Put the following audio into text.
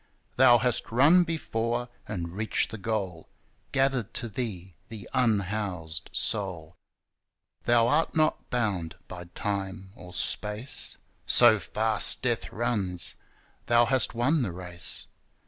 Thou hast run before and reached the goal, Gathered to Thee the unhoused soul. Thou art not bound by Time or Space : So fast Death runs : Thou hast won the race.